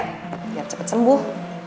biar cepet sembuh